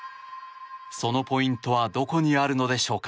そのポイントはどこにあるのでしょうか。